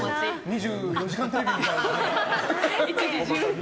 「２４時間テレビ」みたいだね。